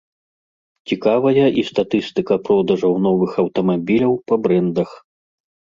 Цікавая і статыстыка продажаў новых аўтамабіляў па брэндах.